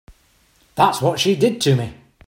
That's what she did to me.